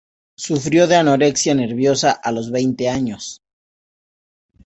Sufrió de anorexia nerviosa a los veinte años.